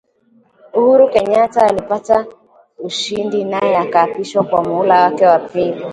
Uhuru Kenyatta alipata ushindi naye akaapishwa kwa muhula wake wa pili